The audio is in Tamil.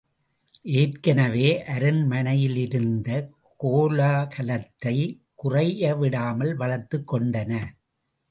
ஏற்கெனவே அரண்மனையிலிருந்த கோலாகலத்தைக் குறையவிடாமல் வளர்த்துக் கொண்டன.